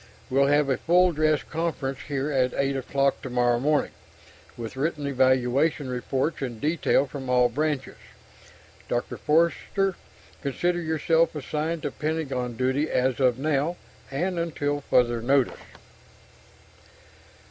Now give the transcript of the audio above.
We'll have a full dress conference here at 8 o'clock tomorrow morning, with written evaluation reports in detail from all branches. Dr. Forster, consider yourself assigned to Pentagon duty as of now, and until further notice."